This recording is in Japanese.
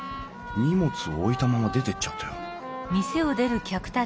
荷物を置いたまま出てっちゃったよ